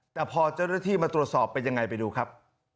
แต่พอเจ้าหน้าที่มาตรวจสอบเป็นยังไงไปดูครับ